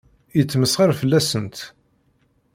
Yettmesxiṛ fell-asent.